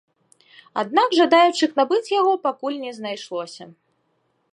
Аднак жадаючых набыць яго пакуль не знайшлося.